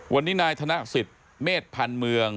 วันนี้นายธนาศิษย์เมษภัณฑ์เมือง